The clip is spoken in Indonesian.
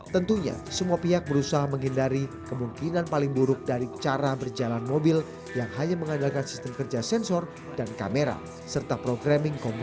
tentunya semua pihak berusaha menghindari kemungkinan paling buruk dari cara menghidupkan mobil mobil otonom